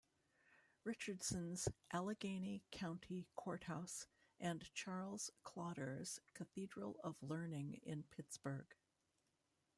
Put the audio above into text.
Richardson's Allegheny County Courthouse and Charles Klauder's Cathedral of Learning in Pittsburgh.